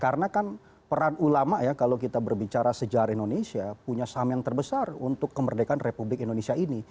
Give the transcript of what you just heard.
karena kan peran ulama ya kalau kita berbicara sejarah indonesia punya saham yang terbesar untuk kemerdekaan republik indonesia ini